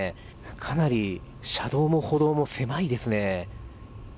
かなり車道も歩道も狭いですね。